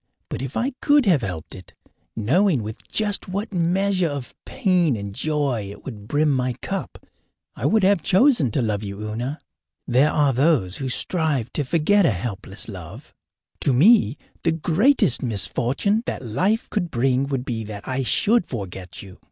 But if I could have helped it, knowing with just what measure of pain and joy it would brim my cup, I would have chosen to love you, Una. There are those who strive to forget a hopeless love. To me, the greatest misfortune that life could bring would be that I should forget you.